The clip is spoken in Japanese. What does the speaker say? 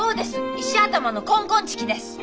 石頭のコンコンチキです。